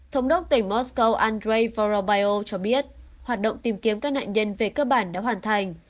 thống đốc tỉnh mosco andrei vorobio cho biết hoạt động tìm kiếm các nạn nhân về cơ bản đã hoàn thành